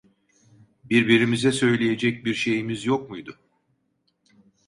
Birbirimize söyleyecek bir şeyimiz yok muydu?